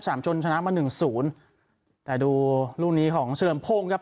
ชนชนะมาหนึ่งศูนย์แต่ดูลูกนี้ของเฉลิมพงศ์ครับ